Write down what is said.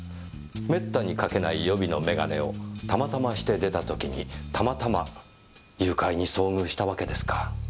滅多にかけない予備の眼鏡をたまたまして出た時にたまたま誘拐に遭遇したわけですか。